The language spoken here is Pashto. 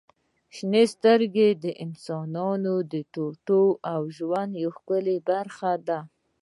• شنې سترګې د انسان د ټوټو او ژوند یوه ښکلي برخه دي.